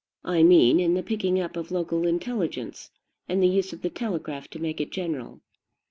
I mean in the picking up of local intelligence, and the use of the telegraph to make it general.